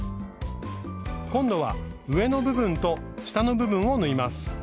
今度は上の部分と下の部分を縫います。